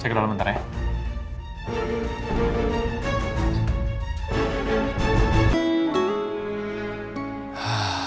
saya kedalaman bentar ya